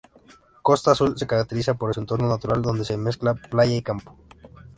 Costa Azul se caracteriza por su entorno natural, donde se mezcla playa y campo.